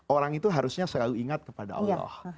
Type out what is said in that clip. orang itu harusnya selalu ingat kepada allah